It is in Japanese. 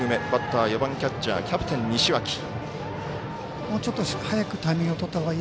バッター、４番キャッチャーキャプテンの西脇。